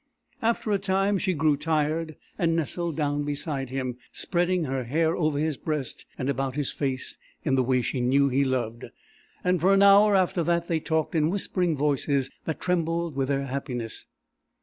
After a time she grew tired and nestled down beside him, spreading her hair over his breast and about his face in the way she knew he loved, and for an hour after that they talked in whispering voices that trembled with their happiness.